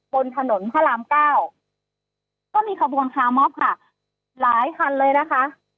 บนถนนพระรามเก้าก็มีขบวนคามอบค่ะหลายคันเลยนะคะ